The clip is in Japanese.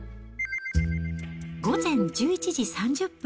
午前１１時３０分。